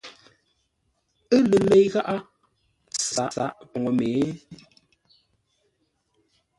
Ə́ lə lei gháʼá sǎʼ pou mě?